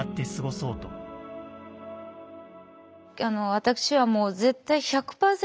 私はもう絶対１００％